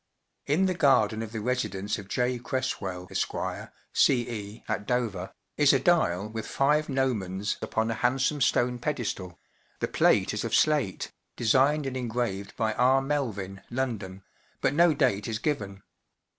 In the garden of the residence of J. Cresswell, Esq., CE., at Dover, is a dial with five gnomons upon a handsome stone pedestal; the plate as of slate, designed and engraved by R. Melvin, London, but no date as given.